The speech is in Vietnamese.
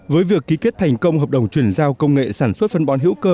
với việc ký kết thành công hợp đồng chuyển giao công nghệ sản xuất phân bón hữu cơ